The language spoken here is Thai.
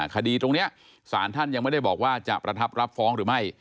คดีตรงนี้สารท่านยังไม่ได้บอกว่าจะประทับรับฟ้องหรือไม่